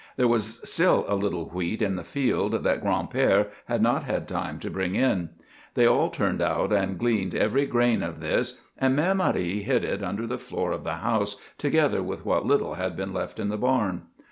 There was still a little wheat in the field that Gran'père had not had time to bring in. They all turned out and gleaned every grain of this and Mère Marie hid it under the floor of the house together with what little had been left in the barn.